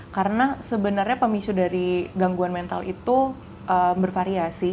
karena sebenarnya pemicu dari gangguan mental itu bervariasi